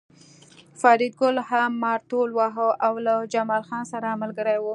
فریدګل هم مارتول واهه او له جمال خان سره ملګری و